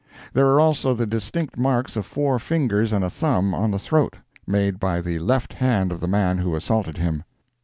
There are also the distinct marks of four fingers and a thumb on the throat, made by the left hand of the man who assaulted him.